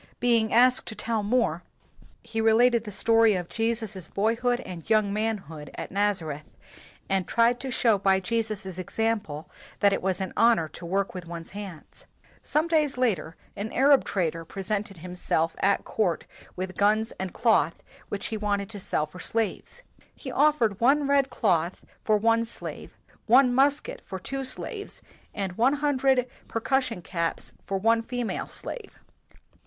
Being asked to tell more, he related the story of Jesus ' boy hood and young manhood at Nazareth, and tried to show by Jesus ' example, that it was an honor to work with one's hands. Some days later, an Arab trader presented himself at court with guns and cloth which he wanted to sell for slaves. He offered one red cloth for one slave ; one musket for two slaves ; and one hundred percussion caps for one female slave.